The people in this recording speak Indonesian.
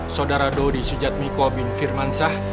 saudara dodi sujatmiko bin firmansyah